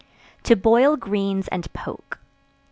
To Boil Greens and Poke.